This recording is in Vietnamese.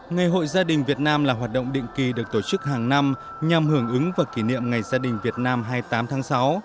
ngày hội gia đình việt nam là hoạt động định kỳ được tổ chức hàng năm nhằm hưởng ứng và kỷ niệm ngày gia đình việt nam hai mươi tám tháng sáu